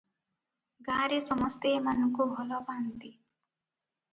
ଗାଁରେ ସମସ୍ତେ ଏମାନଙ୍କୁ ଭଲ ପାନ୍ତି ।